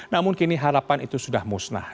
namun kini harapan itu sudah musnah